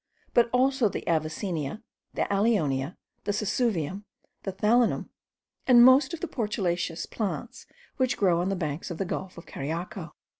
but also the avicennia, the allionia, the sesuvium, the thalinum, and most of the portulaceous plants which grow on the banks of the gulf of Cariaco.